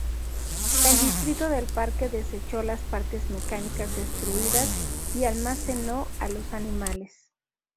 El distrito del parque desechó las partes mecánicas destruidas y almacenó a los animales.